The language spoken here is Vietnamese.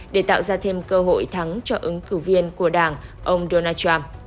để tạo ra thêm cơ hội thắng cho ứng cử viên của đảng ông donald trump